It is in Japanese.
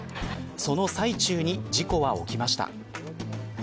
その最中に事故は起きました。